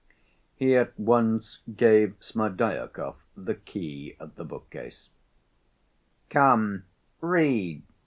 He at once gave Smerdyakov the key of the bookcase. "Come, read.